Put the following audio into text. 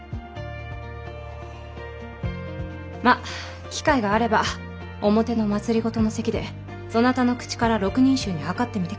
まぁ機会があれば表の政の席でそなたの口から６人衆にはかってみてくれ。